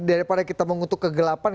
daripada kita mengutuk kegelapan